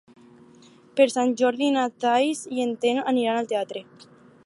Per Sant Jordi na Thaís i en Telm aniran al teatre.